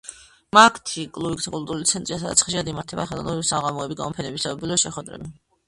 მაგთი კლუბი კულტურული ცენტრია, სადაც ხშირად იმართება ხელოვნების საღამოები, გამოფენები, საიუბილეო შეხვედრები.